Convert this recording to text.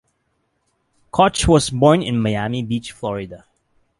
Kohn was born in Miami Beach, Florida.